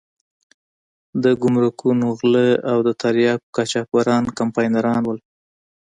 د ګمرکونو غله او د تریاکو قاچاقبران کمپاینران وو.